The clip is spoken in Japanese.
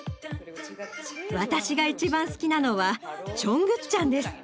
私が一番好きなのはチョングッチャンです！